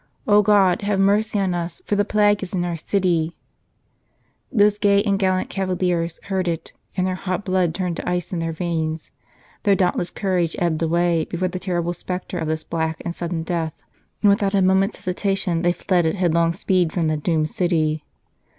O God, have mercy on us, for the plague is in our city !" Those gay and gallant cavaliers heard 142 The Plague of St. Charles it, and their hot blood turned to ice in their veins, their dauntless courage ebbed away before the terrible spectre of this black and sudden Death, and without a moment s hesitation they fled at headlong speed from the doomed city